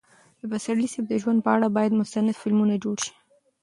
د پسرلي صاحب د ژوند په اړه باید مستند فلمونه جوړ شي.